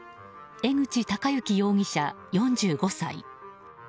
江口貴幸容疑者、４５歳。